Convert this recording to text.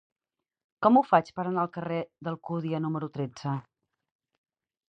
Com ho faig per anar al carrer d'Alcúdia número tretze?